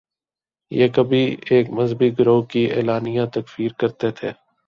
یہ کبھی ایک مذہبی گروہ کی اعلانیہ تکفیر کرتے تھے۔